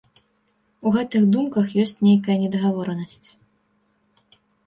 У гэтых думках ёсць нейкая недагаворанасць.